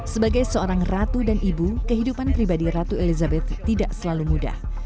sebagai seorang ratu dan ibu kehidupan pribadi ratu elizabeth tidak selalu mudah